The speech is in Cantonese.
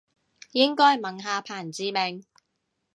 應該問下彭志銘